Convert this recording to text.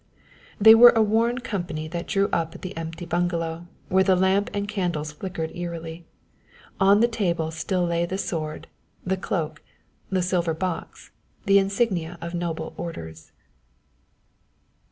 They were a worn company that drew up at the empty bungalow, where the lamp and candles flickered eerily. On the table still lay the sword, the cloak, the silver box, the insignia of noble orders.